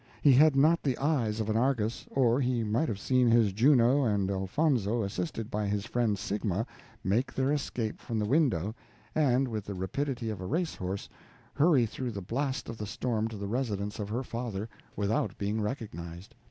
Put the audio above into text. he had not the eyes of an Argus, or he might have seen his Juno and Elfonzo, assisted by his friend Sigma, make their escape from the window, and, with the rapidity of a race horse, hurry through the blast of the storm to the residence of her father, without being recognized.